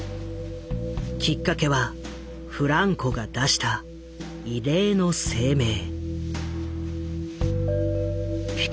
きっかけはフランコが出した異例の声明。